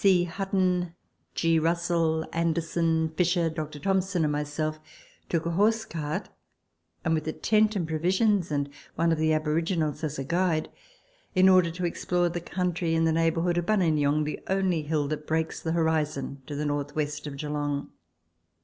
C. Hutton, G. Russell, Anderson, Fisher, Dr. Thomson, and myself took a horse cart, with a tent and pro visions, and one of the aboriginals as a guide, in order to explore the country in the neighbourhood of Buninyong, the only hill that breaks the horizon to the north west of Geelong.